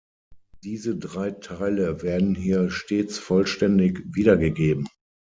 Diese drei Teile werden hier stets vollständig wiedergegeben.